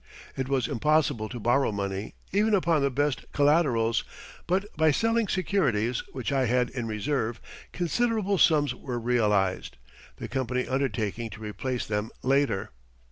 It was impossible to borrow money, even upon the best collaterals; but by selling securities, which I had in reserve, considerable sums were realized the company undertaking to replace them later.